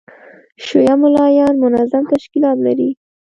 شیعه مُلایان منظم تشکیلات لري.